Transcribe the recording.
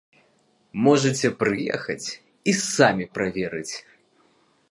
Можаце прыехаць і самі праверыць.